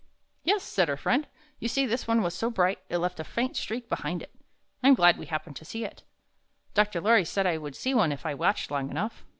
"Yes," said her friend. "You see this one was so bright, it left a faint streak behind it. I'm glad we happened to see it." "Dr. Lorry said I would see one if I watched long enough."